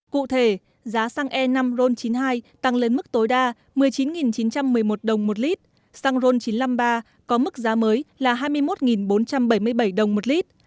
cụ thể giá xăng e năm ron chín mươi hai tăng lên mức tối đa một mươi chín chín trăm một mươi một đồng một lít xăng ron chín trăm năm mươi ba có mức giá mới là hai mươi một bốn trăm bảy mươi bảy đồng một lít